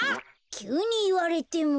きゅうにいわれても。